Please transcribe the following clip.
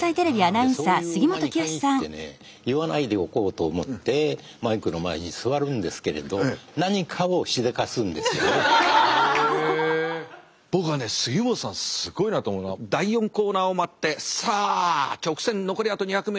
そういう馬に限ってね言わないでおこうと思ってマイクの前に座るんですけれど僕はね杉本さんすごいなと思うのは第４コーナーを回ってさあ直線残りあと２００ｍ。